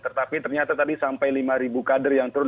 tetapi ternyata tadi sampai lima kader yang turun